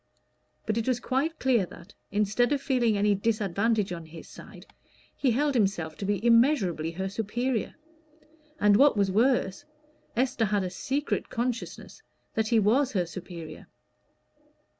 But it was quite clear that, instead of feeling any disadvantage on his own side, he held himself to be immeasurably her superior: and, what was worse, Esther had a secret consciousness that he was her superior.